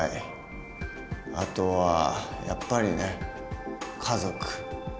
あとはやっぱりね家族。